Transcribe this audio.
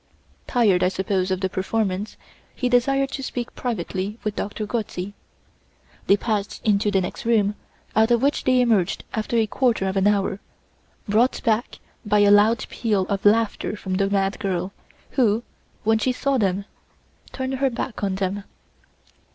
Tired, I suppose, of the performance, he desired to speak privately with Doctor Gozzi. They passed into the next room, out of which they emerged after a quarter of an hour, brought back by a loud peal of laughter from the mad girl, who, when she saw them, turned her back on them.